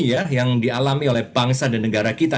ya yang dialami oleh bangsa dan negara kita